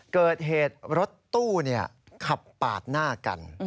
เกิดเหตุรถตู้ขับปาดหน้ากัน